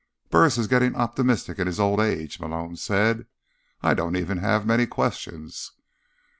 "Burris is getting optimistic in his old age," Malone said. "I don't even have many questions."